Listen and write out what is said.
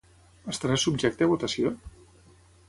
Estarà subjecte a votació?